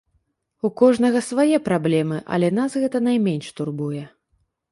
У кожнага свае праблемы, але нас гэта найменш турбуе.